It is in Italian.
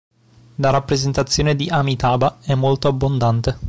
La rappresentazione di Amitabha è molto abbondante.